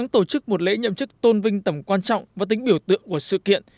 tổ chức một lễ nhậm chức tôn vinh tầm quan trọng và tính biểu tượng của sự kiện